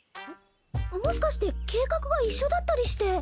もしかして計画が一緒だったりして。